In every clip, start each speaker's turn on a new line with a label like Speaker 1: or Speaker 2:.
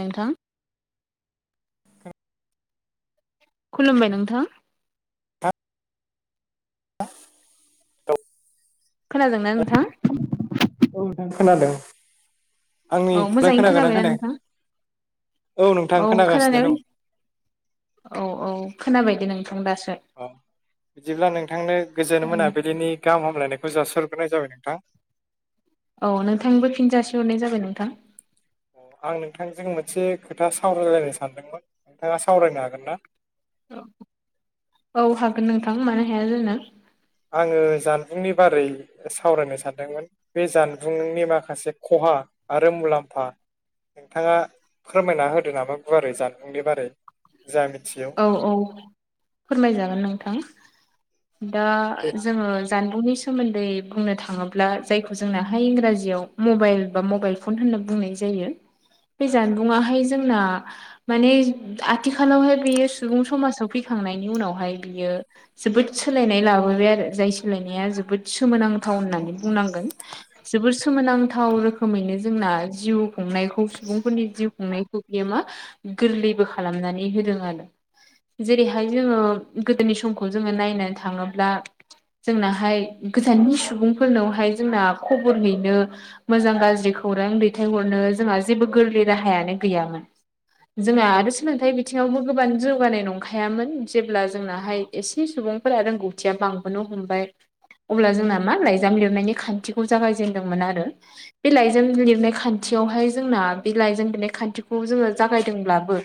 Speaker 1: नोंथां खुलुमबाय नोंथां।
Speaker 2: [unintelligible] [unintelligible]
Speaker 1: खोनादोंना नोंथां?
Speaker 2: औ नोंथां खोनादों। आंनि
Speaker 1: औ
Speaker 2: खौलाय
Speaker 1: मोजाङैनो
Speaker 2: खोनागोनना
Speaker 1: खोनाबायना
Speaker 2: खोनाय
Speaker 1: नोंथां
Speaker 2: औ नोंथां खोनागासिनो दं।
Speaker 1: औ औ खोनाबायदे नोंथां दासो।
Speaker 2: अ बिदिब्ला नोंथांनो गोजोन मोना बिदिनि गाहाम हामलायनायखौ जास'ग्रोनाय जाबाय नोंथां।
Speaker 1: औ नोंथांबो फिनजासिहरनाय जाबाय नोंथां।
Speaker 2: आं नोंथांजों मोनसे खोथा सावरायलायनो सानदोंमोन नोंथाङा सावरायनो हागोन ना?
Speaker 1: औ औ हागोन नोंथां मानो हाया जानो?
Speaker 2: आङो जानबुंनि बारै सावरायनो सानदोंमोन। बे जानबुंनि माखासे खहा आरो मुलाम्फा। नोंथाङा फोरमायना होदो नामा गुवारै जानबुंनि बारै जा मिथियो।
Speaker 1: औ औ फोरमायजागोन नोंथां दा
Speaker 2: दे
Speaker 1: जोङो। जानबुंनि सोमोन्दै बुंनो थाङोब्ला जायखौ जोंनाहाय इंराजियाव मबाइल बा मबाइल फन होनना बुंनाय जायो। बे जानबुंआहाय जोंना माने आथिखालावहाय बेयो सुबुं समाजाव फैखांनायनि उनावहाय बियो। जोबोद सोलायनाय लाबोबाय आरो जाय सोलायनाया जोबोद सोमोनांथाव होननानै बुंनांगोन। जोबोर सोमोनांथाव रोखोमैनो जोंना जिउ खुंनायखौ सुबुंफोरनि जिउ खुंनायखौ बियो मा गोरलैबो खालामनानै होदों आरो। जेरैहाय जोङो गोदोनि समखौ जोङो नायनानै थाङोब्ला। जोंनाहाय गोजाननि सुबुंफोरनावहाय जोंना खबर हैनो। मोजां गाज्रि खौरां दैथायहरनो जोंहा जेबो गोरलै राहायानो गैयामोन। जोंहा आरो सोलोंथाइ बिथिङावबो। गोबां जौगानाय नंखायामोन जेब्ला जोंनाहाय एसे सुबुंफोरा रोंगौथिया बांबोनो हमबाय। अब्ला जोंना मा लाइजाम लिरनायनि खान्थिखौ जागायजेनदोंमोन आरो। बे लाइजाम लिरनाय खान्थियावहाय जोंना बे लाइजाम लिरनाय खान्थिखौ जोङो जागायदोंब्लाबो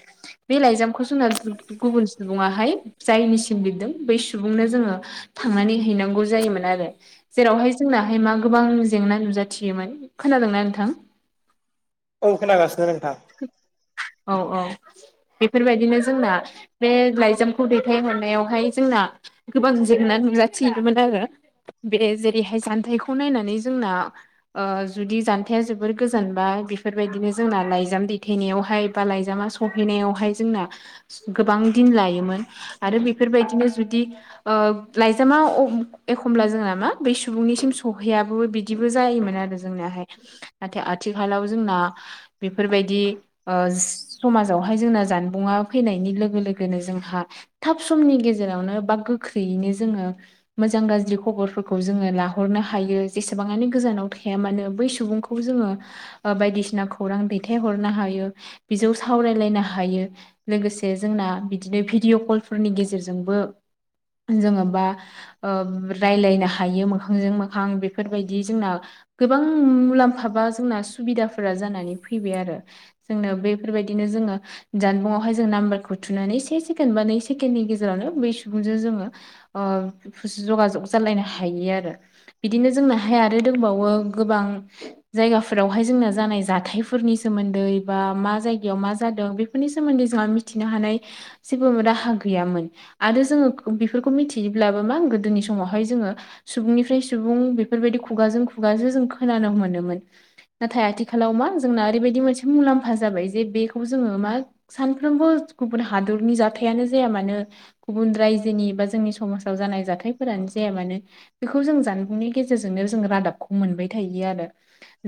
Speaker 1: बे लाइजामखौ जोंना गु-गुबुन सुबुंङाहाय जायनिसिम लिरदों बै सुबुंनो जोङो। थांनानै हैनांगौ जायोमोन आरो। जेरावहाय जोंनाहाय मा गोबां जेंना नुजाथियोमोन। खोनादोंना नोंथां?
Speaker 2: औ खोनागासिनो नोंथां
Speaker 1: [unintelligible] औ औ बेफोरबायदिनो जोंना बे लाइजामखौ दैथायहरनायावहाय जोंना गोबां जेंना नुजाथियोमोन आरो। बे जेरैहाय जान्थायखौ नायनानै जोंना। ओ-जुदि जानथाया जोबोर गोजान बा बेफोरबायदिनो जोंना लाइजाम दैथायनायावहाय बा लाइजामा सहैनायावहाय जोंना गोबां दिन लायोमोन आरो बेफोरबायदिनो जुदि ओ लाइजामा एखमब्ला जोंना मा बे सुबुंनिसिम सौहैयाबो बिद बिदिबो जायोमोन आरो जोंनिहाय। नाथाय आथिखालाव जोंना बेफोरबायदि ओ समाजावहाय जोंना जान मुवा फैनायनि लोगो लोगोनो जोंहा। थाब समनि गेजेरावनो बा गोख्रैयैनो जोङो। मोजां गाज्रि खबरफोरखौ जोङो लाहरनो हायो जेसेबाङानो गोजानाव थाया मानो बै सुबुंख खौ जोङो ओ-बायदिसिना खौरां दैथाय हरनो हायो बिजौ सावरायलायनो हायो। लोगोसे जोंना बिदिनो भिडिअ' कलफोरनि गेजेरजोंबो जोङो बा। ओ रायलायनो हायो मोखांजों मोखां बेफोरबायदि जोंना गोबां मुलाम्फा बा जोंना सुबिदाफोरा जानानै फैबाय आरो। जोंनो बेफोरबायदिनो जोङो जानबुंआव बेवहाय जों नामबारखौ थुनानै से सेकेण्ड बा नै सेकेण्डनि गेजेरावनो बै सुबुंजों जोङो जगाजग जालायनो हायो आरो। बिदिनो जोंना हाय आरो दंबावो गोबां जायगाफोरावहाय जोंना जानाय जाथायफोरनि सोमोन्दै बा मा जायगायाव मा जादों बेफोरनि सोमोन्दै मिथिनो हानाय जेबो राहा गैयामोन। आरो जोङो बेफोरखौ मिथियोब्लाबो मा गोदोनि समावहाय जोङो। सुबुंनिफ्राय सुबुं बेफोरबायदि खुगाजों खुगाजों जों खोनानो मोनोमोन। नाथाय आथिखालाव मा जोंना ओरैबायदि मोनसे मुलाम्फा जाबाय जे बेखौ जोङो मा सानफ्रोमबो गुबुन हादरनि जाथायानो जाया मानो। गुबुन रायजोनि बा जोंनि समाजाव जानाय जाथायफोरानो जाया मानो। बेखौ जों जानबुंनि गेजेरजोंनो जों रादाबखौ मोनबाय थायो आरो।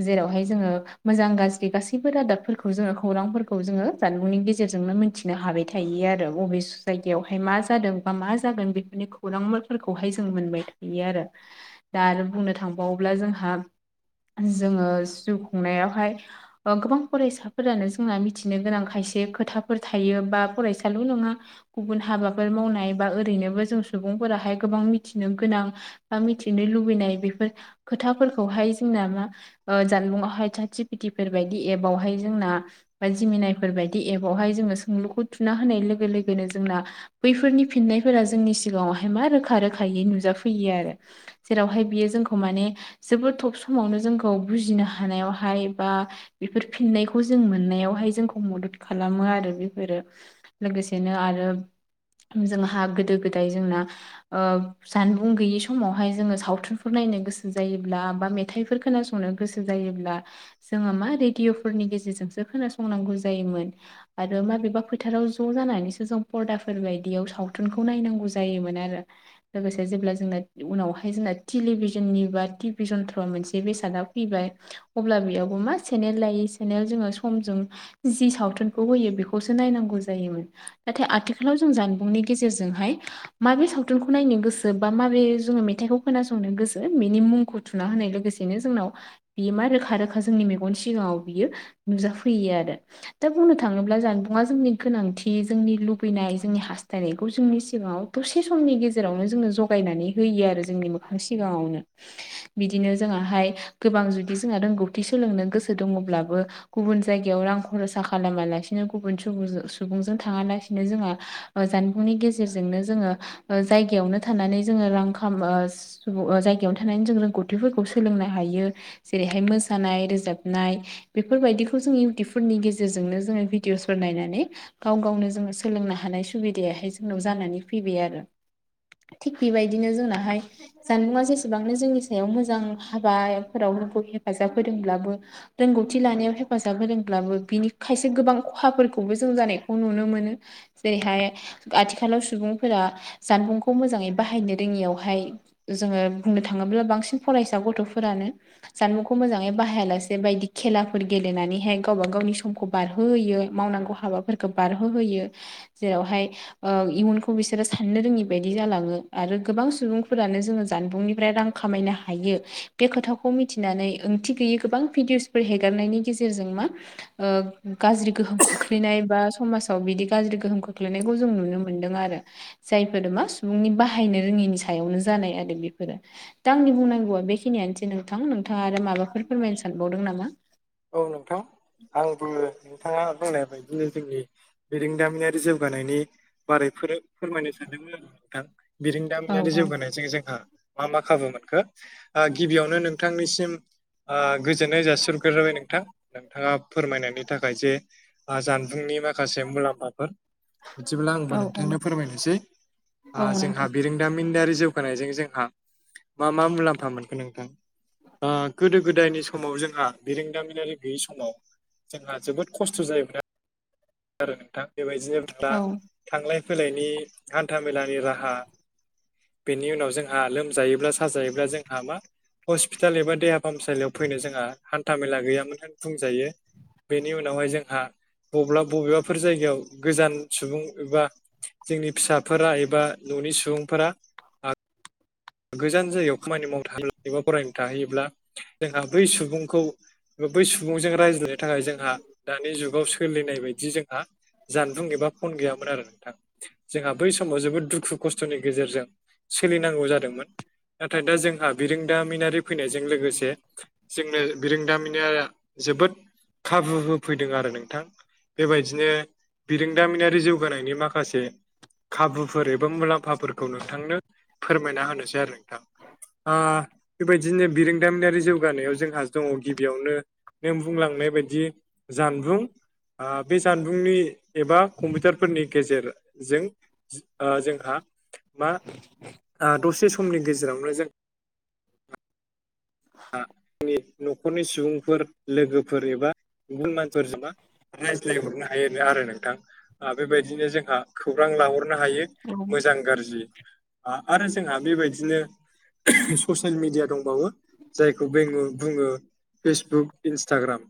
Speaker 1: जेरावहाय जोङो मोजां गाज्रि गासैबो रादाबफोरखौ जोङो खौरांफोरखौ जोङो जानबुंनि गेजे गेजेरजोंनो मोनथिनो हाबाय थायो आरो बबे जायगायावहाय मा जादों बा मा जागोन बेफोरनि खौ खौरांफोरखौहाय जों मोनबाय थायो आरो दा आरो बुंनो थांबावोब्ला जोंहा जोङो जिउ खुंनायावहाय गोबां फरायसाफोरानो जोंना मिथिनो गोनां खायसे खोथाफोर थायो बा फरायसाल' नङा गुबुन हाबाफोर मावनाय बा ओरैनोबो जों सुबुंफोराहाय गोबां मिथिनो गोनां बा मिथिनो लुबैनाय बेफोर खोथाफोरखौहाय जोंना मा जानबुंआवहाय चाट जि पि टि फोरबायदि एपावहाय जोंना बा जिमिनायफोर बायदि एबावहाय जोङो सोंलुखौ थुना होनाय लोगो लोगोनो जोंना बैफोरनि फिननायफोरा जोंनि सिगाङावहाय मा रोखा रोखायै नुजाफैयो आरो। जेरावहाय बियो जोंखौ माने जोबोद थब समावनो जोंखौ बुजिनो हानायावहाय बा बेफोर फिननायखौ जों मोननायावहाय जोंखौ मदद खालामो आरो बेफोरो लोगोसेनो आरो जोंहा गोदो गोदाय जोंना ओ जानबुं गैयि समावहाय जोङो सावथुनफोर नायनो गोसो जायोब्ला बा मेथाइफोर खोनासंनो गोसो जायोब्ला जोङो मा रेडिय'फोरनि गेजेरजोंसो खोनासंनांगौ जायोमोन। आरो माबेबा फोथाराव ज' जानानैसो जों पर्दाफोर बायदियाव सावथुनखौ नायनांगौ जायोमोन आरो। लोगोसे जेब्ला जोंना उनावहाय जोंना टेलिभिजननि बा टिभिजनफ्र्र मोनसे बेसादा फैबाय। अब्ला बेयावबो मा सेनेल लायो सेनेल जोङो समजों जि सावथुन होयो बेखौसो नायनांगौ जायोमोन नाथाय आथिखालाव जों जानबुंनि गेजेरजोंहाय माबे सावथुनखौ नायनो गोसो बा माबे जोङो मेथाइखौ खोनासंनो गोसो बेनि मुंखौ थुना होनाय लोगोसेनो जोंनाव बियो मा रोखा रोखा जोंनि मेगन सिगाङाव बियो नुजाफैयो आरो। दा बुंनो थाङोब्ला जानबुं जोंनि गोनांथि जोंनि लुबैनाय जोंनि हास्थायनायखौ जोंनि सिगाङाव दसे समनि गेजेरावनो जोङो जगायनानै होयो आरो जोंनि मोखां सिगाङावनो बिदिनो जोंनाहाय गोबां जुदि जोंहा रोंगौथि सोलोंनो गोसो दङब्लाबो गुबुन जायगायाव रां खरस सा खालामालासिनो गुबुन सुबुंजों थाङालासिनो जोंहा जानबुंनि गेजेरजोंनो जोङो ओ जायगायावनो थानानै जोङो रां खाम ओ जायगायावनो थानानै जों रोंगौथिफोरखौ सोलोंनो हायो। जेरैहाय मोसानाय रोजाबनाय बेफोरबायदिखौ जों इयउटुबफोरनि गेजेरजों गेजेरजोंनो जोङो भिडिअसफोर नायनानै गाव गावनो जोङो सोलोंनो हानाय सुबिदायाहाय जोंनाव जानानै फैबाय आरो। थिग बेबायदिनो जोंनाहाय जानबुं जेसेबांनो जोंनि सायाव मोजां हाबा-फोराव जोंखौ हेफाजाब होदोंब्लाबो रोंगौथि लानायाव हेफाजाब होदोंब्लाबो बिनि खायसे गोबां खहाफोरखौबो जों जानायखौ नुनो मोनो जेरैहाय आथिखालाव सुबुंफोरा जानबुंखौ मोजाङै बाहायनो रोङियावहाय जोङो बुंनो थाङोब्ला बांसिन फरायसा गथ'फोरानो जानबुंखौ मोजाङै बाहायालासे बायदि खेलाफोर गेलेनानैहाय गावबा गावनि समखौ बारहोहोयो मावनांगौ हाबाफोरखौ बारहोहोयो जेरावहाय इयुनखौ बिसोरो साननो रोङि बायदि जालाङो आरो गोबां सुबुंफोरानो जोङो जानबुंनिफ्राय रां खामायनो हायो। बे खोथाखौ मिथिनानै ओंथि गैयि गोबां भिडिअ'सफोर हेगारनायनि गेजेरजों मा ओ गाज्रि गोहोम खोख्लैनाय बा समाजाव बिदि गाज्रि गोहोम खोख्लैनायखौ जों नुनो मोनदों आरो। जायफोर मा सुबुंनि बाहायनो रोङिनि सायावनो जानाय आरो बेफोरो। दा आंनि बुंनांगौआ बेखिनियानोसै नोंथां नोंथाङा आरो माबाफोर फोरमायनो सानबावदों नामा?
Speaker 2: औ नोंथां आंबो नोंथाङा बुंनाय बायदिनो जोंनि बिरोंदामिनारि जौगानायनि बारैफोर फोरमायनो सानदोंमोन आरो नोंथां।
Speaker 1: औ
Speaker 2: बिरोंदामिनारि
Speaker 1: औ
Speaker 2: जौगानायजों जोंहा मा मा खाबु मोनखो ओ गिबियावनो नोंथांनिसिम ओ गोजोननाय जासिहर गोरबाय नोंथां नोंथाङा फोरमायनायनि थाखाय जे जानबुंनि आ माखासे मुलाम्फाफोर बिदिब्ला आंबो
Speaker 1: औ
Speaker 2: नोंथांनो
Speaker 1: औ
Speaker 2: फोरमायनोसै
Speaker 1: औ
Speaker 2: जोंहा
Speaker 1: नोंथां
Speaker 2: बिरों दामिनारि जौगानायजों जोंहा मा मा मुलाम्फा मोनगोन नोंथां? गोदो गोदायनि समाव जोंहा बिरोंदामिनारि गैयि समाव जोंहा जोबोद खस्थ' जायोमोन‌। आरो नोंथां बेबायदिनो
Speaker 1: औ
Speaker 2: थांलाय फैलायनि हान्था मेलानि राहा बेनि उनाव जोंहा लोमजायोब्ला साजायोब्ला जोंहा मा हस्पिटाल एबा देहा फाहामसालियाव फैनो जोंहा हान्था मेला गैयामोन होन बुंजायो बेनि उनावहाय जोंहा बबब्लाब बबेबाफोर जायगायाव गोजान सुबुं एबा जोंनि फिसाफोरा एबा न'नि सुबुंफोरा गोजान जायगायाव खामानि मावनो थाङो एबा फरायनो थाहैयोब्ला जोंहा बै सुबुंखौ बै सुबुंजों रायज्लायनो थाखाय जोंहा दानि जुगाव सोलिनाय बायदि जोंहा जानबुं एबा फन गैयामोन आरो नोंथां। जोंहा बै समाव जोबोद दुखु खस्थ'नि गेजेरजों सोलिनांगौ जादों। मोन। नाथाय दा जोंहा बिरोंदामिनारि फैनायजों लोगोसे जोंनो बिरोंदामिना जोबोद खाबु होफैदों आरो नोंथां। बेबायदिनो बिरोंदामिनारि जौगानायनि माखासे खाबु फोर एबा मुलाम्फाफोरखौ नोंथांनो फोरमायना होनोसै आरो नोंथां। बेबायदिनो बिरोंदामिनारि जौगानायाव जोंहा दङ गिबियावनो ने बुंलांनाय बायदि जानबुं बे जानबुंनि एबा कम्पिउटारफोरनि गेजेरजों आ जोंहा मा दसे समनि गेजेरावनो जों हा जोंनि न'खरनि सुबुंफोर लोगोफोर एबा गुबुन मानसिफोरजों मा रायज्लायहरनो हायो आरो नोंथां। बेबायदिनो जोंहा खौरां लाहरनो हायो मोजां गाज्रि। आरो जोंहा बेबायदिनो ससियेल मिडिया दंबावो। जायखौ बेङो बुङो फेसबुक इन्सटाग्राम।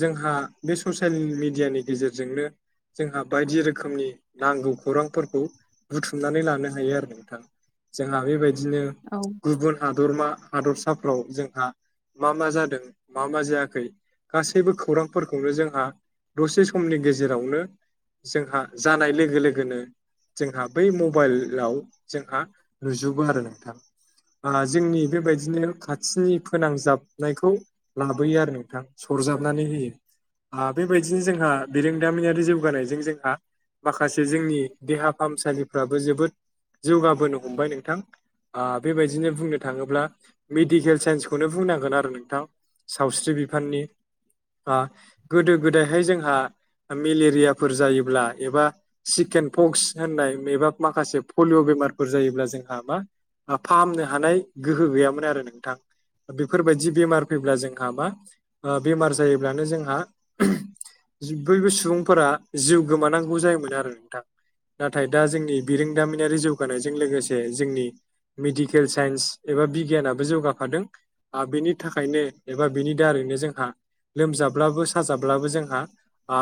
Speaker 2: जोंहा बे ससियेल मिडियानि गेजेरजोंनो जोंहा बायदि रोखोमनि नांगौ खौरांफोरखौ बुथुमनानै लानो हायो आरो नोंथां। जोंहा बेबायदिनो
Speaker 1: औ
Speaker 2: गुबुन हादरमा हादरसाफ्राव जोंहा मा मा जादों मा मा जायाखै गासैबो खौरांफोरखौनो जोंहा दसे समनि गेजेरावनो जोंहा जानाय लोगो लोगोनो जोंहा बै मबाइलाव जोंहा नुजोबो आरो नोंथां जोंनि बेबायदिनो खाथिनि फोनांजाबनायखौ लाबोयो आरो नोंथां सरजाबनानै होयो आ बेबायदिनो जोंहा बिरोंदामियारि जौगानायजों जों माखासे जोंनि देहा फाहामसालिफ्राबो जोबोद जौगाबोनो हमबाय नोंथां बेबायदिनो बुंनो थाङोब्ला मेडिकेल साइन्सखौनो बुंनांगोन आरो नोंथां सावस्रि बिफाननि बा गोदो गोदायहाय जोंहा मेलेरियाफोर जायोब्ला एबा चिकेन पक्स होननाय एबा माखासे पलिअ' बेमारफोर जायोब्ला जोंहा मा फाहामनो हानाय गोहो गैयामोन आरो नोंथां बेफोरबायदि बेमार फैब्ला जोंहा मा बेमार जायोब्लानो जोंहा बयबो सुबुंफोरा जिउ गोमानांगौ जायोमोन आरो नोंथां नाथाय दा जोंनि बिरोंदामिनारि जौगानायजों लोगोसे जोंनि मेडिकेल साइन्स एबा बिगियानाबो जौगा हादों बेनि थाखायनो एबा बिनि दारैनो जोंहा लोमजाब्लाबो साजाब्लाबो जोंहा ओ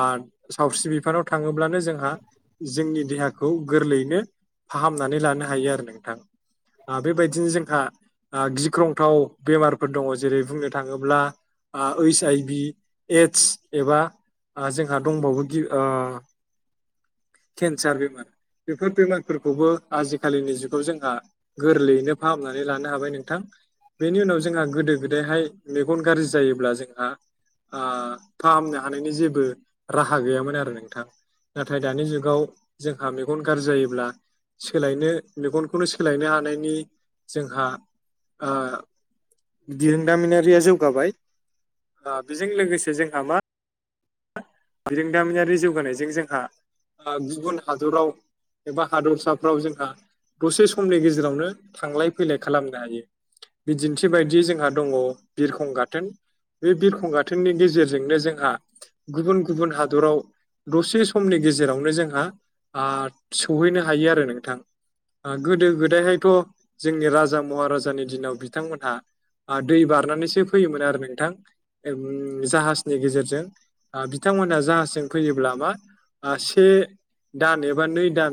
Speaker 2: सावस्रि बिफानाव थाङोब्लानो जोंहा जोंनि देहा खौ गोरलैयैनो फाहामनानै लानो हायो आरो नोंथां बेबायदिनो जोंहा गिख्रं गोथाव बेमारफोर दङ जेरै बुंनो थाङोब्ला ओइस आइ बि एदस एबा जोंहा दंबावो ओ केन्सार बेमार बेफोर बेमारफोरखौबो आजिखालिनि जुगाव जोंहा गोरलैयैनो फाहामनानै लानो हाबाय नोंथां बेनि उनाव जोंहा गोदो गोदायहाय मेगन गाज्रि जायोब्ला जोंहा फाहामनो हानायनि जेबो राहा गैयामोन आरो नोंथां नाथाय दानि जुगाव जोंहा मेगन गाज्रि जायोब्ला सोलायनो मेगनखौनो सोलायनो हानायनि जोंहा ओ दिरोंदामिनारिया जौगाबाय ओ बेजों लोगोसे जोंहा मा बिरोंदामिनारि जौगानायजों जोंहा गुबुन हादराव एबा हादरसाफोराव जोंहा दसे समनि गेजेरावनो थांलाय फैलाय खालामनो हायो बिदिन्थि बायदि जोंहा दङ बिरखं गाथोन बे बिरखं गाथोननि गेजेरजोंनो जोंहा गुबुन गुबुन हादराव दसे समनि गेजेरावनो जोंहा सौहैनो हायो आरो नोंथां गोदो गोदायहायथ' जोंनि राजा महाराजानि दिनाव बिथांमोनहा दै बारनानैसो फैयोमोन आरो नोंथां जाहाजनि गेजेरजों बिथांमोनहा जाहाजजों फैयोब्ला मा से दान एबा नै दान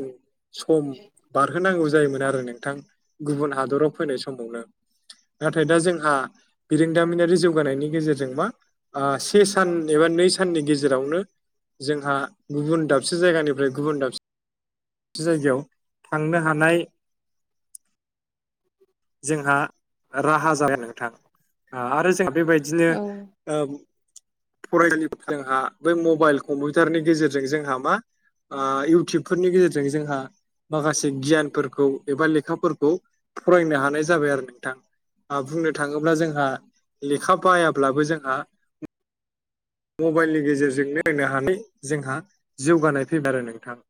Speaker 2: सम बारहोनांगौ जायोमोन आरो नोंथां गुबुन हादराव फैनाय समावनो नाथाय दा जोंहा बिरोंदामिनारि जौगानायनि गेजेरजों मा से सान एबा नै सान साननि गेजेरावनो जोंहा गुबुन दाबसे जायगानिफ्राय गुबुन दाबसे जायगायाव थांनो हानाय
Speaker 1: [inaudible]
Speaker 2: जोंहा राहा जाया नोंथां आरो जोंहा बेबायदिनो
Speaker 1: औ
Speaker 2: फराय जोंहा बै मबाइल कम्पिउटारनि गेजेरजों जोंहा मा इउटुबफोरनि गेजेरजों जोंहा माखासे गियानफोरखौ एबा लेखाफोरखौ फरायनो हानाय जाबाय आरो नोंथां। आ बुंनो थाङोब्ला जोंहा लेखा बायाब्लाबो जोंहा मबाइलनि गेजेरजोंनो होनो हानाय जोंहा जौगानाय फैबाय आरो नोंथां।